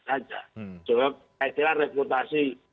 saja sebab saya kira reputasi